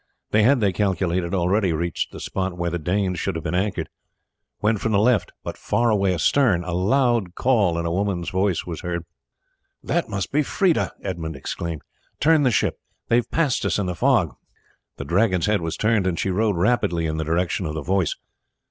They had, they calculated, already reached the spot where the Dane should have been anchored when from the left, but far away astern, a loud call in a woman's voice was heard. "That must be Freda!" Edmund exclaimed. "Turn the ship; they have passed us in the fog." The Dragon's head was turned and she was rowed rapidly in the direction of the voice.